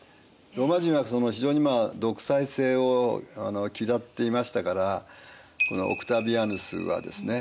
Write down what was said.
ローマ人は非常に独裁政を嫌っていましたからこのオクタヴィアヌスはですね